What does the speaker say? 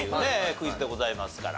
クイズでございますから。